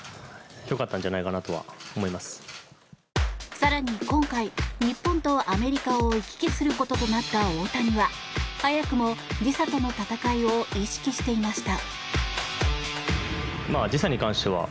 更に、今回日本とアメリカを行き来することとなった大谷は早くも時差との戦いを意識していました。